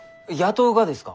雇うがですか？